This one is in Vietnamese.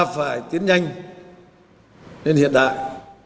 phải tiến nhanh nên hiện đại